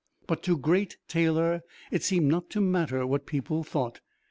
But to Great Taylor it seemed not to matter what people thought.